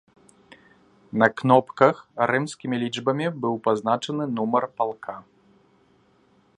На кнопках рымскімі лічбамі быў пазначаны нумар палка.